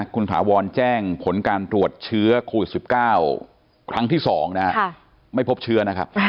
คุณท้าวอนแจ้งผลการตรวจเชื้อโควิด๑๙ครั้งที่๒ไม่พบเชื้อ